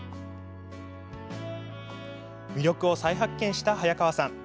魅力を再発見した早川さん。